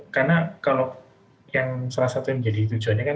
karena kalau yang salah satu yang menjadi tujuannya kan